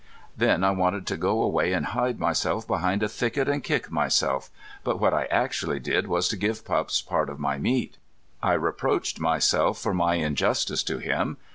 Then I wanted to go away and hide behind a thicket and kick myself, but what I actually did was to give Pups part of my meat. I reproached myself for my injustice to him.